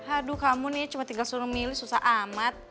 aduh kamu nih cuma tinggal suruh milih susah amat